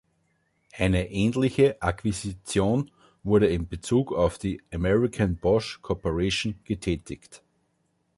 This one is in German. Eine ähnliche Akquisition wurde in Bezug auf die American Bosch Corporation getätigt.